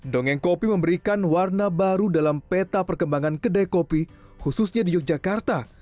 dongeng kopi memberikan warna baru dalam peta perkembangan kedai kopi khususnya di yogyakarta